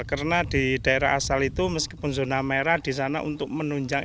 karena di daerah asal itu meskipun zona merah di sana untuk menunjang